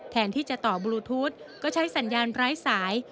แทนที่จะต่อบลูทูธก็ใช้สัญญาณไร้สาย